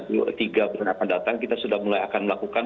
tiga bulan akan datang kita sudah mulai akan melakukan